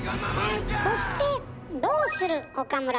そして「どうする岡村」